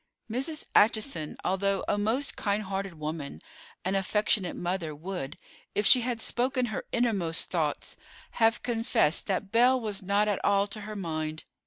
Mrs. Acheson, although a most kind hearted woman and affectionate mother, would, if she had spoken her innermost thoughts, have confessed that Belle was not at all to her mind.